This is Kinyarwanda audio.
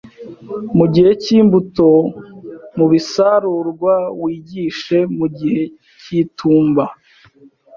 Mugihe cyimbuto mubisarurwa wigishe mugihe cyitumba